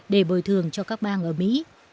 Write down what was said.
để bồi thường cho các bang ở mỹ